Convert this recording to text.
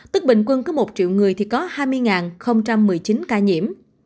tức bình quân cứ một triệu người thì có hai mươi một mươi chín ca nhiễm